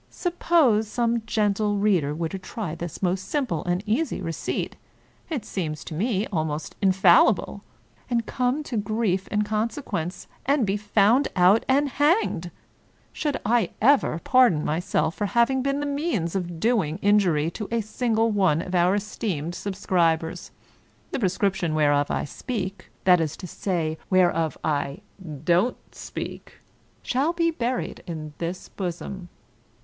Suppose some gentle reader were to try this most simple and easy receipt — it seems to me almost in fallible — and come to grief in consequence, and be found out and hanged ? Should I ever pardon myself for having been the means of doing injury to a single one of our es teemed subscribers? The prescription whereof I speak — that is to say, whereof I don't speak — shall be buried in this bosom.